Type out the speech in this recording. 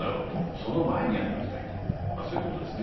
その前にやっておきたいと、そういうことですね。